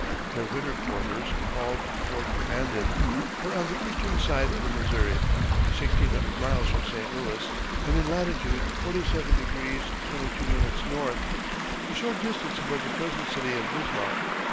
Their winter quarters, called Fort Mandan, were on the eastern side of the Missouri, sixteen hundred miles from St. Louis, and in latitude 47° 22´ N., a short distance above the present city of Bismarck.